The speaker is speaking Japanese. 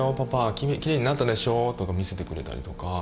きれいになったでしょ」とか見せてくれたりとか。